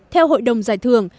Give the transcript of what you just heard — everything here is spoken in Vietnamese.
theo hội đồng giải thưởng